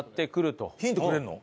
ヒントくれるの？